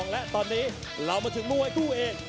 และตอนนี้เรามาถึงมวยคู่เอก